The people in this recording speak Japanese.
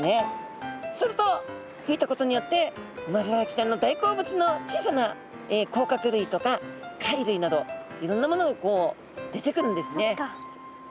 すると吹いたことによってウマヅラハギちゃんの大好物の小さな甲殻類とか貝類などいろんなものが出てくるんですね。